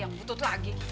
yang butut lagi